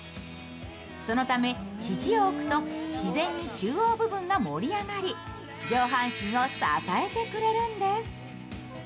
そのため肘を置くと、自然に中央部分が盛り上がり、上半身を支えてくれるんです。